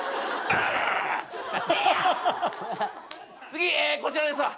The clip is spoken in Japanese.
次こちらですわ。